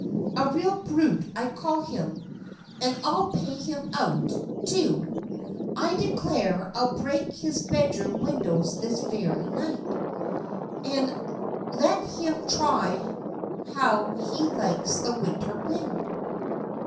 A real brute I call him, and I'll pay him out, too. I declare I'll break his bedroom windows this very night, and let him try how he likes the winter wind!"